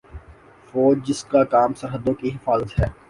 فوج جس کا کام سرحدوں کی حفاظت ہے